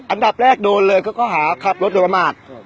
อันดับแรกโดนเลยก็หาขับรถอยู่ประมาท